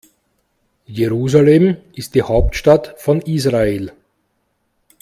Jerusalem ist die Hauptstadt von Israel.